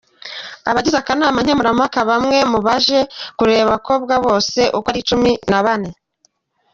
Abagize akanama nkemurampakaBamwe mu baje kurebaAbakobwa bose uko ari cumi na bane.